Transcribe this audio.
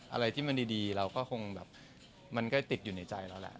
อะไรที่มันดีเราก็คงแบบมันก็ติดอยู่ในใจเราแหละ